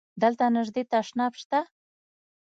دلته نژدی تشناب شته؟